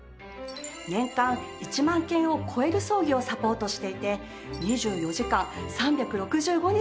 年間１万件を超える葬儀をサポートしていて２４時間３６５日